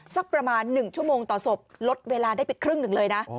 สักประมาณ๑ชั่วโมงต่อศพลดเวลาได้ไปครึ่งหนึ่งเลยนะ